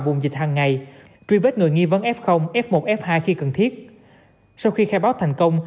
vùng dịch hàng ngày truy vết người nghi vấn f f một f hai khi cần thiết sau khi khai báo thành công